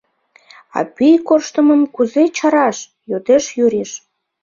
— А пӱй корштымым кузе чараш? — йодеш Юриш.